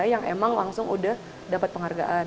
yang emang langsung udah dapat penghargaan